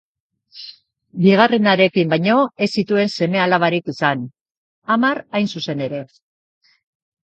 Bigarrenarekin baino ez zituen seme-alabarik izan, hamar hain zuzen ere.